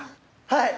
はい！